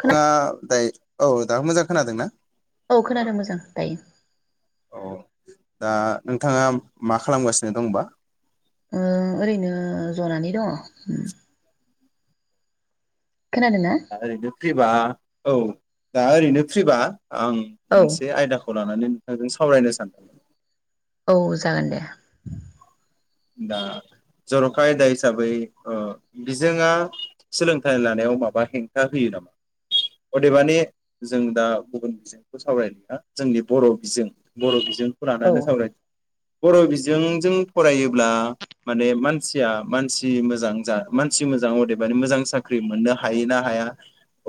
खोना [unintelligible] औ दा मोजां खोनादों ना? औ खोनादों मोजां दायो। औ दा नोंथाङा मा खालामगासिनो दंबा? ओ ओरैनो जनानै दङ। खोनादोंना ओरैनो फ्रिबा औ दा ओरैनो फ्रिबा आं औ मोनसे आयदाखौ लानानै नोंथांजों सावरायनो सानदों। औ जागोन दे। दा जर'खा आयदा हिसाबै बिजोंआ सोलोंथाइ लानायाव माबा हेंथा होयो नामा अदेबानि जों दा गुबुन बिजोंखौ सावरायनाया जोंनि बर' बिजों बर' बिजों [unintelligible] औ लानानै सावरायनि बर' बिजोंजों फरायो अब्ला माने मानसिया मानसि मोजां जा मानसि मोजां अदेबानि मोजां साख्रि मोननो हायो ना हाया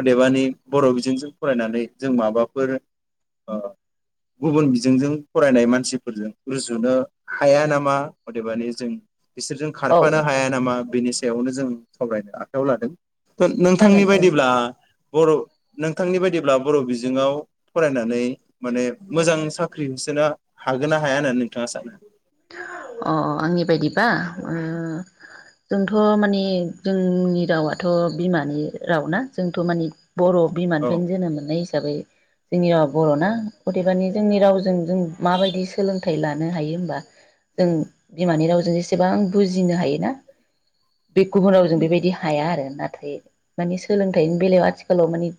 अदेबानि बर' बिजोंजों फरायनानै जों माबाफोर गुबुन बिजोंजों फरायनाय मानसिफोरजों रुजुनो हाया नामा अदेबानि जों बिसोरजों औ खारफानो हाया नामा बेनि [unintelligible] बेयावनो जों सावरायनो आखायाव लादों। नोंथांनि जागोन औ बायदिब्ला बर' नोंथांनि बायदिब्ला बर' बिजोङाव फरायनानै माने मोजां साख्रि होसोनो हागोन ना हाया होननानै नोंथाङा सानो? अ आंनि बायदि [unintelligible] जोंथ' माने जोंनि रावाथ' बिमानि राव ना जोंथ' माने बर' बिमानिफ्रायनो औ जोनोम मोन्नाय हिसाबै जोंनि रावा बर'ना गदेबानि जोंनि रावजों जों माबायदि सोलों [unintelligible] लानो हायो होनबा जों बिमानि रावजों जेसेबां बुजिनो हायो ना बे गुबुनाव जों बेबायदि हाया आरो। नाथाय मानिे सोलोंथाइनि बेलायाव आथिखालाव माने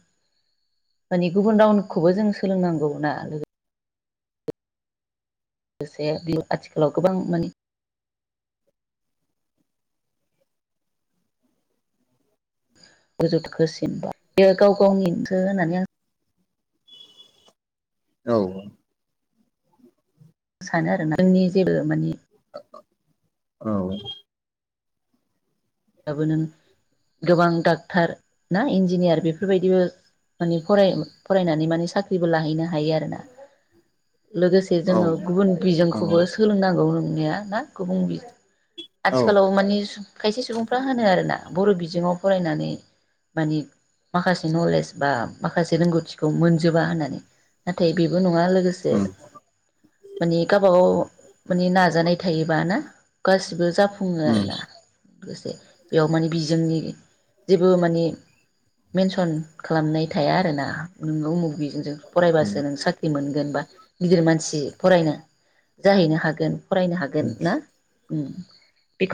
माने गुबुन रावनखौबो जों सोलोंनांगौ ना लोगोसे बे आथिखालाव गोबां माने [unintelligible] गाव गावनिसो होननानै आं औ आं सानो आरोना जोंनि जेबो माने औ दाबो नों गोबां डाक्टर ना इन्जिनियार बेफोरबायदिबो माने फराय-फरायनानै माने साख्रिबो लाहैनो हायो आरोना लोगोसे औ जोङो गुबुन नंगौ बिजोंखौबो सोलोंनांगौ बुंनि ना गुबुं बि औ आथिखालाव माने खायसे सुबुं होनो आरोना बर' बिजोङाव फरायनानै मानि माखासे नलेज बा माखासे रोंगौथिखौ मोनजोबा होननानै नाथाय बेबो न ना लोगोसे उम माने गावबा गाव माने नाजानाय थायोबा ना गासिबो जा फुङो उम आरो ना। [unintelligible] बेयाव माने बिजोंनि जेबो माने मेनसन खालामनाय थाया आरोना। उम फरायबासो नों साख्रि मोनगोन बा गिदिर मानसि फरायनो जाहैनो हागोन फरायनो हागोन ना? उम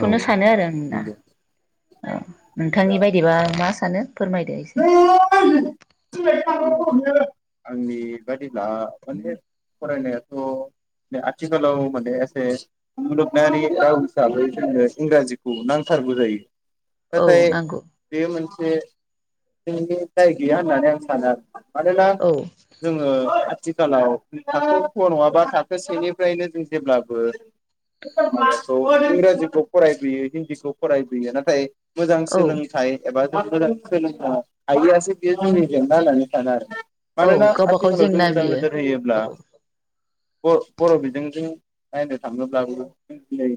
औ सानो आरो आं ना। नंगौ [unintelligible] दा नोंथांनि बायदिबा मा सानो फोरमायदो एसे। आंनि बादिब्ला माने फरायनायाथ' आथिखालाव माने एसे मुलगनायारि राव हिसाबै जोंनो इंराजिखौ नांथारगौ जायो। औ नाथाय नांगौ बेयो मोनसे दाय गैया होनानै आं सानो मानोना औ जोङो आथिखालाव थाखो क नङाबा थाखो सेनिफ्रायनो जों जेब्लाबो इंराजिखौ फरायबोयो हिन्दीखौ फरायबोयो नाथाय मोजां औ सोलोंथाइ एबा [inaudible] [unintelligible] औ मानोना गावबा गाव आथिखालाव जों जेंना मोजां बियो नोजोर होयोब्ला औ बर' बर' बिजोंजों नायनो थाङोब्लाबो जों दिनै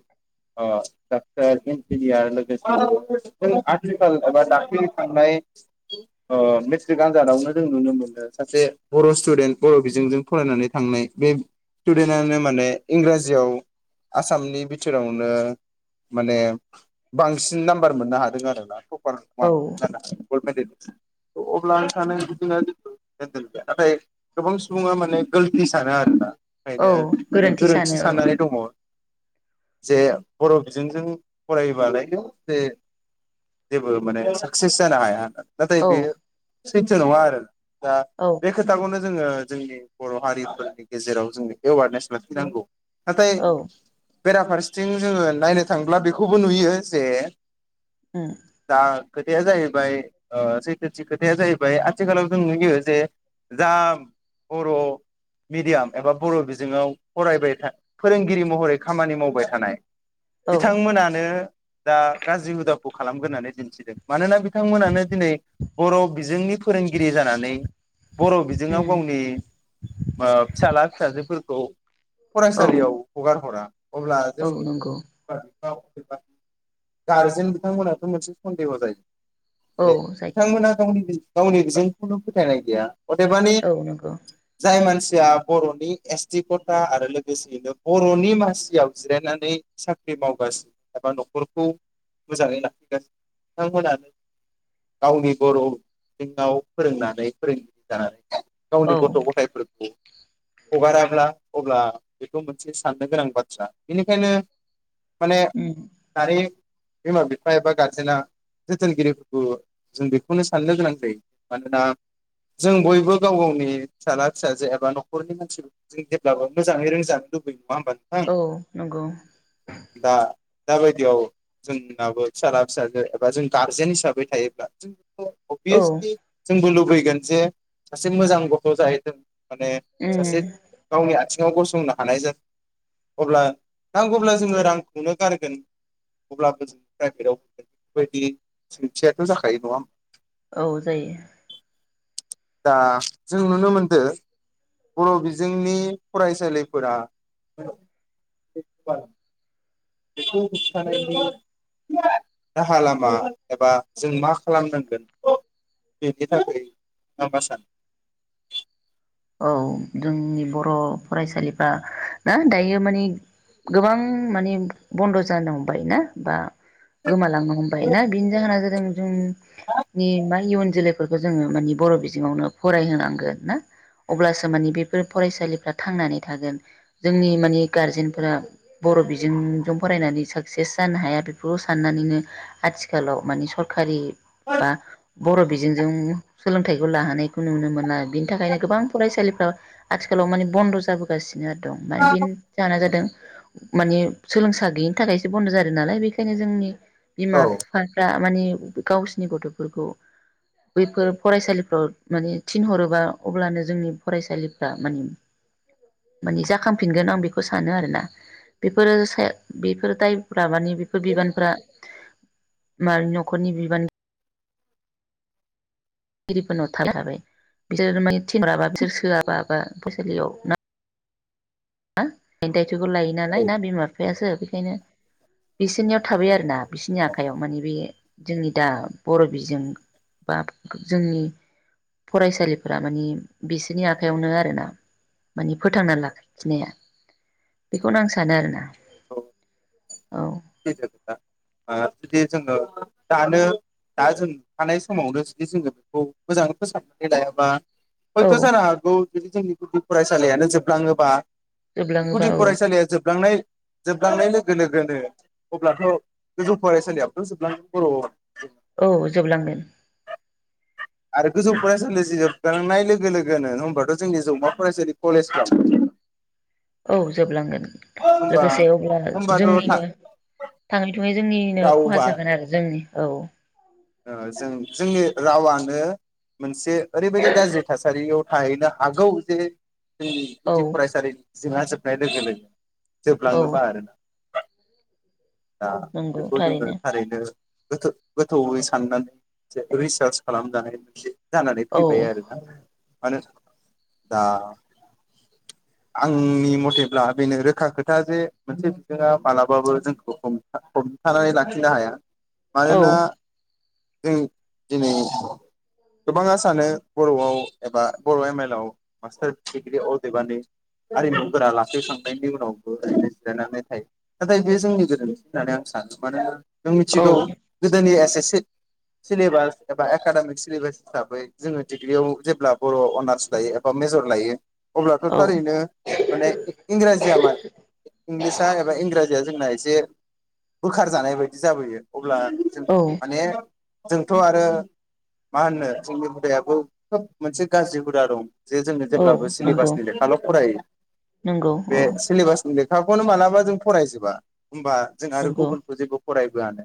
ओ डाक्टर, इन्जिनियार लोगोसे जों आथिखाल एबा दाखालै थांनाय ओ मेट्रिक आनजादावनो जों नुनो मोनो सासे बर' स्टुडेन्ट बर' बिजोंजों फरायनानै थांनाय बे स्टुडेन्टानो माने इंराजियाव आसामनि बिथोरावनो माने बांसिन नाम्बार मोननो हादों आरोना। [unintelligible] औ गल्ड मेडेलिस्ट अब्ला आं सानो [unintelligible] नाथाय गोबां सुबुङा माने गोलति सानो आरोना। औ ओंखायनो माने सानो गोरोन्थि साननानै औ दङ। जे बर' बिजोंजों फरायबालायनो जे जेबो माने सा क्सेस जानो हाया होनना। नाथाय बेयो औ सैथो नङा आरो। दा औ बे खोथाखौनो जोङो जोंनि बर' हारिफोरनि गेजेराव जोङो एवारनेस लाखिनांगौ। नाथाय औ बेराफारसेथिं जोङो नायनो थांब्ला बेखौबो नुयो जे उम दा खोथाया जाहैबाय ओ सैथोथि खोथाया जाहैबाय आथिखालाव जों नुयो जे जा बर' मिडियाम एबा बर' बिजोङाव फरायबाय फोरोंगिरि महरै खामानि मावबाय थानाय औ बिथांमोनानो दा गाज्रि हुदाखौ खालामग्रोनानै दिन्थिदों। मानोना बि थांमोनानो दिनै बर' बिजोंनि फोरोंगिरि जानानै बर' बिजोङाव उम गावनि ओ फिसाला फिसाजोफोरखौ औ फरायसालियाव हगार हरा अब्ला औ जोंनि नंगौ फो [unintelligible] गारजेन बिथांमोनाथ' मोनसे सन्देह' जायो। जे औ जायो बिथांमोना गावनि गावनि बिजोंखौनो थायनाय गैया अदेबानि औ नंगौ जाय मानसि या बर'नि एसटि कता आरो लोगोसेयैनो बर'नि मासियाव जिरायनानै साख्रि मावगासिनो एबा न'खरखौ मोजाङै लाखिगासिनो बिथांमोना गावनि बर' [unintelligible] फोरोंनानै फोरोंगिरि जाना औ गावनि गथ' गथायफोरखौ हगाराब्ला अब्ला बेखौ मोनसे साननो गोनां बाथ्रा बेनिखायनो माने उम दानि बिमा बिफा एबा गारजेना जोथोनगिरिफोरखौ जों बेखौनो साननो गोनां जायो मानोना जों बयबो गाव गावनि फिसाला फिसाजो एबा न'खरनि मानसिफोरखौ जों जेब्लाबो मोजाङै रोंजानो लुबैयो। नङा होमबा नोंथां? औ नंगौ दा दाबायदियाव जोंनाबो फिसाला फिसाजो बा जों गारजेन हिसाबै थायोब्ला औ अभियसलि जोंबो लु बैगोन जे सासे मोजां गथ' जाहैथों । माने सासे उम गावनि आ थिङाव गसंनो हानाय जाथों अब्ला नांगौब्ला जोङो रांखौनो गारगोन अब्लाबो जों प्राइभेटाव हरगोन । बेबायदि सोंथियाथ' जाखायो नङा होम्बा? औ जायो दा जों नुनो मोनदो बर' बिजोंनि फरायसालिफोरा बेखौ होबथानायनि [unintelligible] राहा लामा एबा जों मा खालामनांगोन बेनि थाखाय नोंथाङा मा सानो । औ जोंनि बर' फरायसालिफ्रा ना दायो माने गोबां माने बन्द' जानो हमबाय ना बा गोमालांनो हमबाय ना बिनि जाहोना जा जों जों नि मा इयुन जोलैफोरखौ जोङो माने बर' बिजोंआवनो फरायहोनांगोन ना । अब्लासो मानि बेफोर फरायसालिफ्रा थांनानै थागोन जोंनि माने गारजेनफोरा बर' बिजोंजों फरायनानै साकसेस जानो हाया बेफोरखौ साननानैनो आथिखालाव माने सरखारि बा बर' बिजोंजों सोलोंथाइखौ लाहोनायखौ नुनो मोनला बिनि थाखायनो गोबां फरायसालिफ्रा आथिखालाव माने बन्द' जाबोगासिनो दं माने बेनि जाहोना जादों माने सोलोंसा गैयिनि थाखायसो बन्द' जादों नालाय बेखायनो जोंनि बिमा औ बिफाफ्रा माने गावसोरनि गथ'फोरखौ बैफोर फरायसालिफ्राव माने थिनहरोबा अब्लानो जोंनि फरायसालिफ्रा माने माने जाखांफिनगोन आं बेखौ सानो आरोना बेफोरो बेफोर दाइपफ्रा माने बेफोर बिबानफ्रा बिमानि न'खरनि बिबान गिरिफोरनाव थानो हाबाय बिसोर माने थिनहराबा बिसोर सोआबा बा फरायसालियाव ना ना बे दाय थ'खौ लायो औ नालाय ना बिमा बिफायासो बेखायनो बिसोरनियाव थाबाय आरोना । बिसोरनि आखाइायाव माने बे जोंनि दा बर' बिजों बा जोंनि फरायसालिफोरा माने बिसोरनि आखयावनो आरोना माने फोथांना ला खिनाया बेखौनो आं सानो आरोना । औ औ सैथो खोथा ओ जुदि जोङो दानो दा जों थानाय समावनो जुदि जोङो बेखौ मोजाङै फोसाबनानै लायाबा औ हयथ' जानो हागौ जुदि जोंनि गुदि फरायसालियानो जोबलाङोबा जोबलाङोबा गुदि औ फरायसालिया जोबलांनाय जोबलांनाय लोगो लोगोनो अब्लाथ' गोजौ फरायसालियावथ' जोबलांगोन बर' औ जोबलांगोन। आरो गोजौ फरायसालि जोबलांनाय लोगो लोगोनो होनबाथ' जोंनि जौमा फरायसालि कलेजफ्रा औ जोबलांगोन होमबा लोगोसे अब्ला जोंनिनो होमबाथ' थाङै थुङै जोंनिनो खहा रावबा जागोन आरो जोंनि औ ओ जों जोंनि रावा ओ मोनसे ओरैबायदि गाज्रि थासारियाव थाहैनो हागौ जे जोंनि औ गुदि फरायसालि जोंहा जोबनाय लोगो लोगो औ जोबलाङोबा आरोना। दा नंगौ बेखौ जोङो थारैनो गोदो गोथौैहै साननो जे रिसार्च खालामजानाय मोनसे जानानै औ फैबाय आरोना। मानो दा आंनि मथेब्ला बेनो रोखा खोथा जे मोनसे बिजोङा मालाबाबो जोंखौ हमथा हम थानानै लाखिनो हाया। औ मानोना जों दिनै गोबाङा सानो बर'आव एबा बर' एम एल आव मास्टार दिग्रि अदेबानि हारिमुफोरा लाखिखांनायनि उनावबो जिरायनानै थायो नाथाय बे जोंनि गोरोन्थि होननानै आं सानो मानो जों औ मिथिगौ गोदोनि एस ए सिद सिलेबास एबा एकाडेमिक सिलेबास हिसाबै जोङो डिग्रियाव जेब्ला बर' अनार्स लायो एबा मेजर लायो अब्लाथ' औ थारैनो माने इंराजिया मा इंलिसा एबा इंराजिया जोंना एसे बोखार जानाय बायदि जाबोयो अब्ला जों औ माने जोंथ' आरो मा होनो जोंनि हुदायाबो खोब मोनसे गाज्रि हुदा दं। जे जोङो औ जेब्लाबो नंगौ सिलेबासनि लेखाल' फरायो नंगौ बे औ सिलेबासनि लेखा खाखौनो मालाबा जों फरायजोबा होमबा? जों आरो नंगौ गुबुनखौ जेबो फराय बोयानो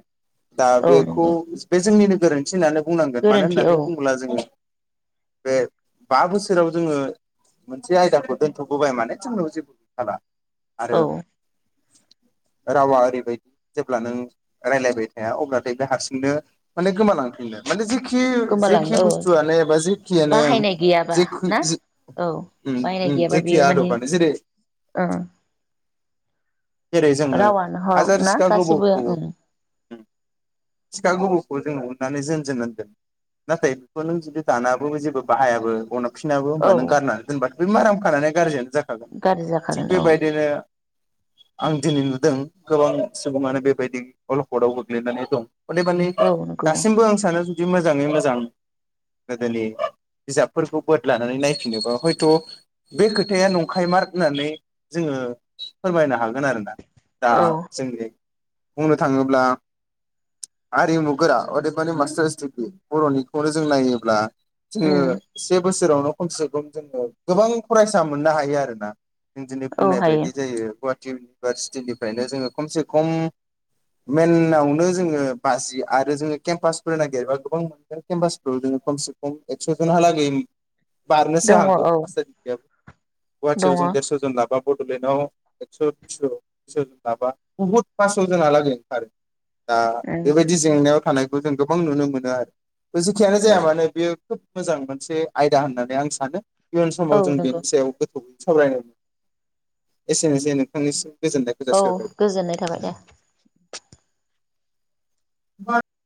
दा औ बेखौ नंगौ बे जोंनिनो गोरोन्थि होननानो बुंनांगोन मानो गोरोन्थि औ होननानै बुङोब्ला जोङो बे बा बोसोराव जोङो मोनसे आयदाखौ दोनथ'बोबाय माने जोंनाआव जेबो [unintelligible] औ आरो राव आरि यै जेब्ला नों रायलायबाय थाया अब्लाथाय बे हारसिंनो माने गोमालां होनदो माने जेखि जेखि गोमालाङो औ बुस्थुआनो एबा जेखियानो बाहायनाय गैयाबा जेखै ना जि औ उम बाहायनाय उम गैयाबा जेखि बेयो माने आदबानो जेरै ओ जेरै जोङो हग हाजार ना सिखा गासिबो गोबौखौ ओं सिखा गोबौखौ जों उननानै जोंजों दोनदों नाथाय बेखौ नों जुदि दानाबो जेबो बाहायाबो अना फिसिनाबो औ होनबा नों गारना दोनबा बे माराम खानानै गारजियानो जाखागोन गाज्रि थिग जाखागोन औ बेबायदिनो आं दिनै नुदों गोबां सुबुङानो बेबायदि अलखदाव गोग्लैनानै दं अदेबानिे औ नंगौ दासिमबो आं सानो दि मोजाङै मोजां गोदोनि बिजाबफोरखौ बोदलानानै नायफिनोबा हयथ' बे खोथाया नंखाय मार होननानै जोङो फोरमायनो हागोन आरोना। दा औ जोंनि बुंनो थाङोब्ला आरिमुगोरा अदेबानि मास्टारस दिग्रि बर'निखौनो जों नायोब्ला जोङो उम एसे बो सोरावनो खमसे खम जोङो गोबां फरायसा मोननो हायो आरोना [unintelligible] दिनै औ बुंनाय हायो बायदि जायो गुवा टि इउनिभारसिटिनि निफ्रायनो जोङो खमसे खम मेनावनो जोङो बाजि आरो जोङो केम्पासफोर नागिरबा गोबां मोनगोन केम्पासफोराव जोङो खमसे खम एकस' जनहालागै बारनोसो दङ औ हागौ मास्थार डिग्रिआबो दङ गुवाहाटियाव जों देरस' जन लाबा बड'लेण्डआव एक्स' दुइस' [unintelligible] लाबा बुहुत फास' जोन हालागै ओंखारो। दा उम बेबायदि जेंनायाव थानाय खौ जों गोबां नुनो मोनो आरो। बे जेखियानो औ जाया मानो बेयो खोब मोजां मोनसे आयदा होननानै आं सानो। इयुन समाव औ जों नंगौ बेनि सायाव गोथौवै सावरायनो एसेनोसै नोंथांनिसिम गोजोननायखौ औ जासिहरबाय गोजोननाय थाबाय दे। [unintelligible]